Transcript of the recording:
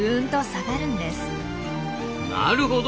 なるほど。